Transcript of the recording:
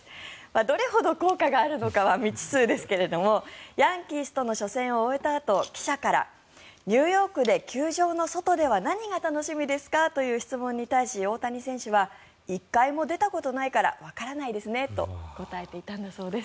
どれほど効果があるのかは未知数ですがヤンキースとの初戦を終えたあと記者からはニューヨークで球場の外では何が楽しみですか？という質問に対し大谷選手は１回も出たことないからわからないですねと答えていたんだそうです。